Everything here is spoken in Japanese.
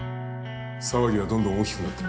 騒ぎはどんどん大きくなってる。